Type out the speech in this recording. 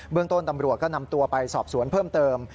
ต้นตำรวจก็นำตัวไปสอบสวนเพิ่มเติม